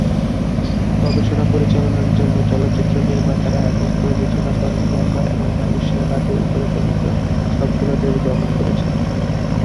গবেষণা পরিচালনার জন্য, চলচ্চিত্র নির্মাতারা এবং প্রযোজনা দল মিয়ানমার এবং মালয়েশিয়া বাদে উপরে বর্ণিত সবগুলো দেশ ভ্রমণ করেছেন।